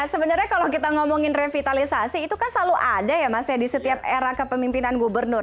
sebenarnya kalau kita ngomongin revitalisasi itu kan selalu ada ya mas ya di setiap era kepemimpinan gubernur